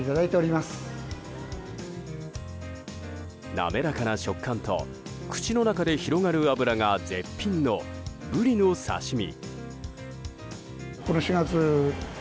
なめらかな食感と口の中で広がる脂が絶品のブリの刺し身。